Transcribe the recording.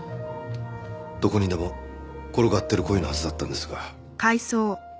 どこにでも転がっている恋のはずだったんですが。